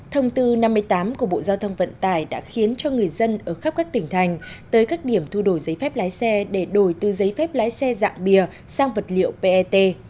thông tư năm mươi tám của bộ giao thông vận tải đã khiến cho người dân ở khắp các tỉnh thành tới các điểm thu đổi giấy phép lái xe để đổi từ giấy phép lái xe dạng bìa sang vật liệu pet